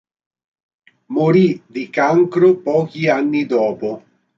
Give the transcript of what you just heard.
Morì di cancro pochi anni dopo.